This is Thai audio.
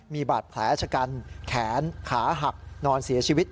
มีบาดแผลชะกันแขนขาหักนอนเสียชีวิต